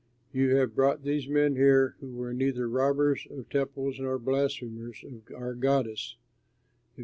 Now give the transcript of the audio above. You have brought these men here who are neither robbers of temples nor blasphemers of our goddess.